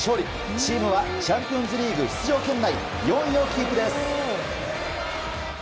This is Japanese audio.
チームはチャンピオンズリーグ出場圏内４位をキープです。